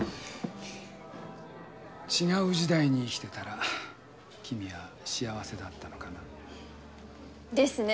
違う時代に生きてたら君は幸せだったのかな。ですね。